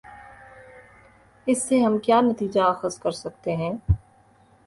اس سے ہم کیا نتیجہ اخذ کر سکتے ہیں۔